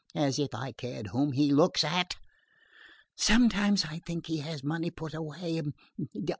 As if I cared whom he looks at! Sometimes I think he has money put away...